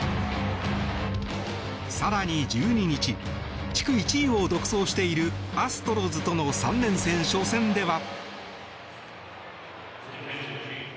更に１２日地区１位を独走しているアストロズとの３連戦初戦では。